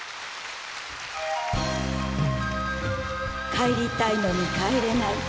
帰りたいのに帰れない。